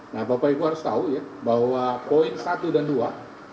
nah bapak ibu harus tahu ya bahwa poin satu dan dua